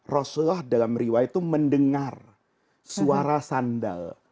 rasulullah dalam riwayat itu mendengar suara sandal